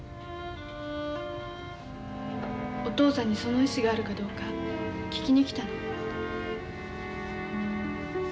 お父さんにその意志があるかどうか聞きに来たの。